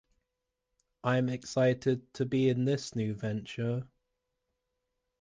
I’m excited to be in this new venture.